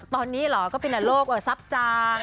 ตอนนี่หรอก็เป็นโลกต่ำจาน